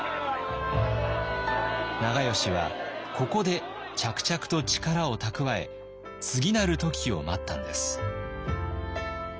長慶はここで着々と力を蓄え次なる時を待ったんです。